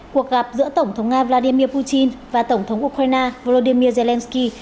cuộc gặp giữa tổng thống nga vladimir putin và tổng thống ukraine volodymyr zelensky